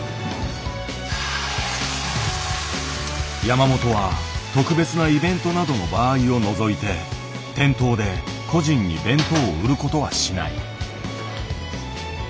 山本は特別なイベントなどの場合を除いて店頭で個人に弁当を売ることはしない。